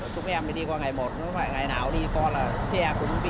chúng em thì đi qua ngày một nó không phải ngày nào đi qua là xe cũng bị